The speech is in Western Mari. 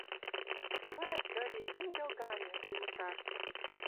Мыра тьыри, йӹнгӹл ганьы, вуй мычашты...